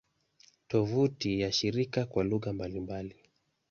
Tovuti ya shirika kwa lugha mbalimbali